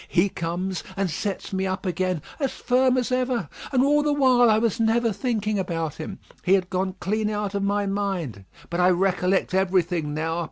He comes and sets me up again as firm as ever. And all the while I was never thinking about him. He had gone clean out of my mind; but I recollect everything now.